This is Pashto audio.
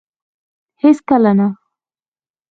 هيڅ کله نه